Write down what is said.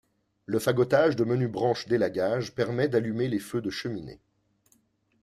Le fagotage de menues branches d'élagage permet d'allumer les feux de cheminées.